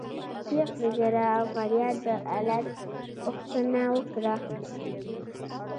شیخ د ژړا او فریاد د علت پوښتنه وکړه.